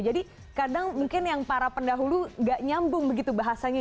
jadi kadang mungkin yang para pendahulu nggak nyambung begitu bahasanya